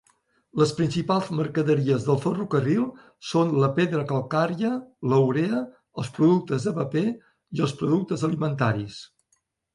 Les principals mercaderies del ferrocarril són la pedra calcària, la urea, els productes de paper i els productes alimentaris.